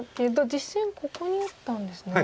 実戦ここに打ったんですね。